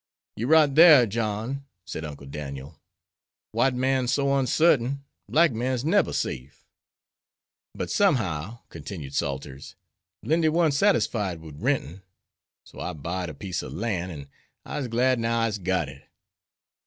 "You're right thar, John," said Uncle Daniel. "White man's so unsartain, black man's nebber safe." "But somehow," continued Salters, "Lindy warn't satisfied wid rentin', so I buyed a piece ob lan', an' I'se glad now I'se got it.